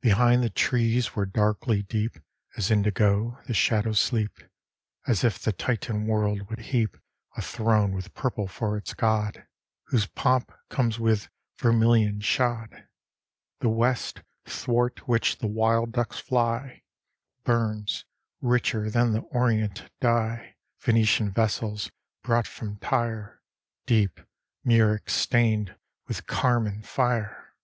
Behind the trees, where, darkly deep As indigo, the shadows sleep, As if the Titan world would heap A throne with purple for its god, Whose pomp comes with vermilion shod The west, 'thwart which the wild ducks fly, Burns, richer than the orient dye Phœnician vessels brought from Tyre, Deep, murex stained, with carmine fire.